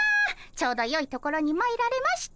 ちょうどよいところにまいられました。